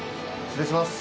失礼します